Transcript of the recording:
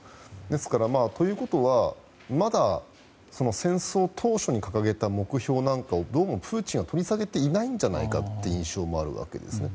ですから、ということはまだ戦争当初に掲げた目標なんかをどうもプーチンは取り下げていないんじゃないかという印象もあるわけですね。